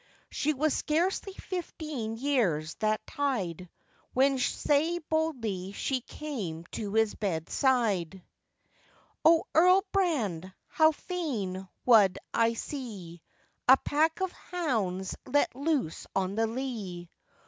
She was scarcely fifteen years that tide, When sae boldly she came to his bed side, 'O, Earl Brand, how fain wad I see A pack of hounds let loose on the lea.